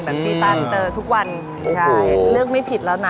อย่างที่ตาทิตเตอร์ทุกวันอื้อบมันเอิ้นนวันเลือกไม่ผิดแล้วนะ